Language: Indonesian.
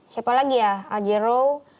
siapa lagi ya al jero